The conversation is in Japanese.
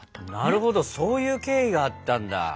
なるほどそういう経緯があったんだ。